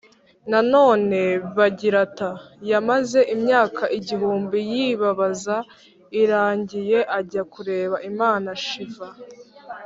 nanone [bagirata] yamaze imyaka igihumbi yibabaza, irangiye ajya kureba imana shiva